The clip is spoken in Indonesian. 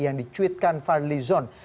yang dicuitkan fadli zon